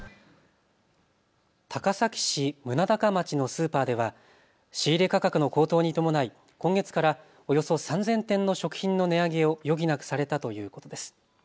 高崎市棟高町のスーパーでは仕入れ価格の高騰に伴い今月からおよそ３０００点の食品の値上げを余儀なくされたということです。